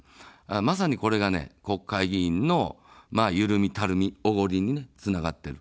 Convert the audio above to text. まさにこれが国会議員のゆるみ、たるみ、おごりにつながっている。